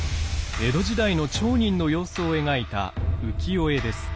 江戸時代の町人の様子を描いた浮世絵です。